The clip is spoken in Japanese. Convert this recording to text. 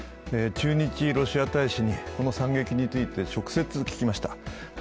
駐日ロシア大使に、この惨劇について直接聞きました。